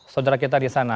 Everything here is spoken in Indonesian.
saudara kita di sana